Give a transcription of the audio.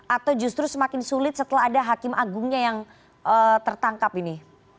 atau justru semakin sulit setelah ada hakim agungnya yang tertangkap ini